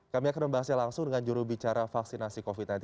kami akan membahasnya langsung dengan jurubicara vaksinasi covid sembilan belas